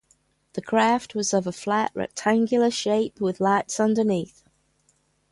The craft was of a flat, triangular shape, with lights underneath.